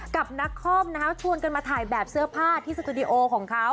กับนักคอมนะคะชวนกันมาถ่ายแบบเสื้อผ้าที่สตูดิโอของเขา